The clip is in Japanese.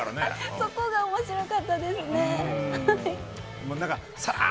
そこが面白かったですね。